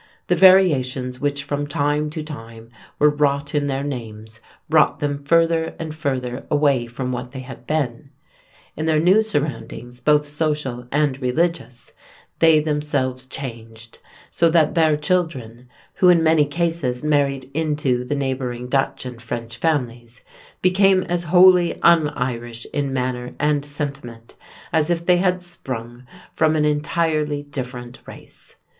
The variations which from time to time were wrought in their names brought them further and further away from what they had been; in their new surroundings, both social and religious, they themselves changed, so that their children, who in many cases married into the neighboring Dutch and French families, became as wholly un Irish in manner and sentiment as if they had sprung from an entirely different race.